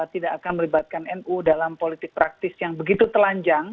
tidak akan melibatkan nu dalam politik praktis yang begitu telanjang